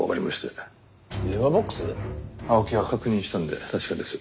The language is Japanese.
青木が確認したんで確かです。